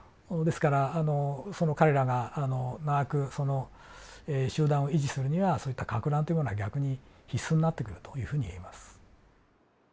ですからあのその彼らが長くその集団を維持するにはそういったかく乱っていうものは逆に必須になってくるというふうにいえます。